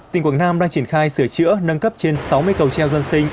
tỉnh quảng nam đang triển khai sửa chữa nâng cấp trên sáu mươi cầu treo dân sinh